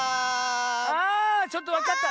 あちょっとわかった。